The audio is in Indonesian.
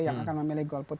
yang akan memilih golput